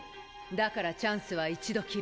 だからチャンスは一度きり。